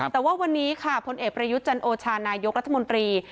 แต่ว่าวันนี้ค่ะพลเอกประยุทธ์จันโอชานายกรัฐมนตรี